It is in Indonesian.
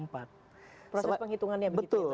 proses penghitungannya begitu ya